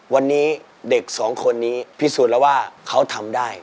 วันนี้เด็กสองคนนี้พิสูจน์แล้วว่าเขาทำได้